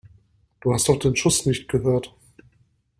Du hast doch den Schuss nicht gehört!